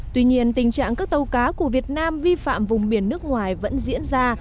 tuy nhiên tình trạng các tàu cá của việt nam vi phạm vùng biển nước ngoài vẫn diễn ra